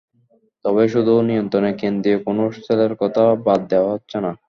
তবে শুধু নিয়ন্ত্রণে কেন্দ্রীয় কোনো সেলের কথা বাদ দেওয়া হচ্ছে না।